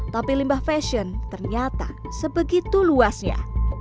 tapi limbah fashion ternyata sebegitu luasnya